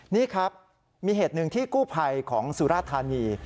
นี่ครับมีเหตุหนึ่งที่กู้ภัยของสุราธานี